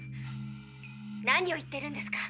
何を言ってるんですか。